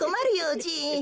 じい。